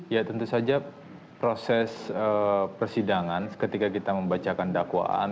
ya tentu saja proses persidangan ketika kita membacakan dakwaan